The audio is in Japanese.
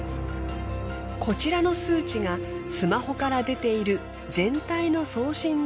こちらの数値がスマホから出ている全体の送信